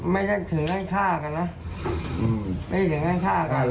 ไม่ได้ถึงการฆ่ากันนะไม่ได้ถึงการฆ่ากัน